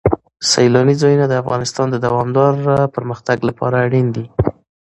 سیلانی ځایونه د افغانستان د دوامداره پرمختګ لپاره اړین دي.